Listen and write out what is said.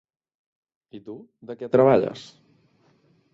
I tu, de què treballes?